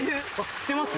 知ってます？